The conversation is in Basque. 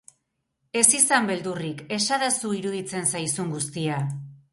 Ez izan beldurrik, esadazu iruditzen zaizun guztia.